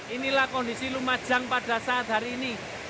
inilah kondisi lumajang pada saat hari ini